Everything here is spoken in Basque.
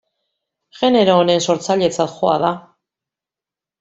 Genero honen sortzailetzat joa da.